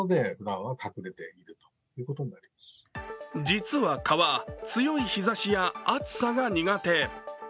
実は蚊は強い日ざしや暑さが苦手。